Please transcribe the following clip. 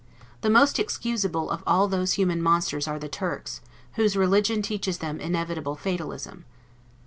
The most excusable of all those human monsters are the Turks, whose religion teaches them inevitable fatalism.